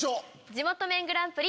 「地元麺グランプリ」。